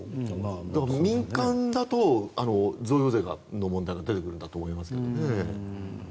民間だと贈与税の問題が出てくるんだと思うんですけどね。